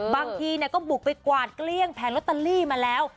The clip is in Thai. บางทีก็บุกไปกวาดเกลี้ยงแผงลอตเตอรี่มาแล้ว